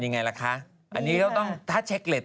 พี่ปุ้ยลูกโตแล้ว